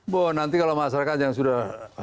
bo nanti kalau masyarakat yang sudah hebat